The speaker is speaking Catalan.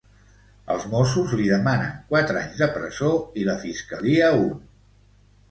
Els mossos li demanen quatre anys de presó, i la fiscalia un.